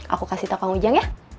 aku kasih tau kang ujang ya